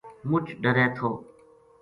مُچ ڈرے تھو